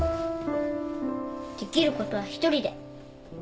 できることは一人で。